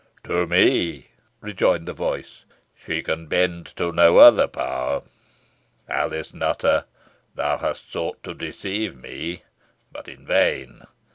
"To me," rejoined the voice; "she can bend to no other power. Alice Nutter, thou hast sought to deceive me, but in vain.